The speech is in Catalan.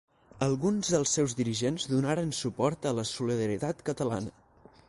Alguns dels seus dirigents donaren suport a la Solidaritat Catalana.